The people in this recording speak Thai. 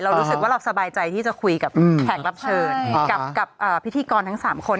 รู้สึกว่าเราสบายใจที่จะคุยกับแขกรับเชิญกับพิธีกรทั้ง๓คน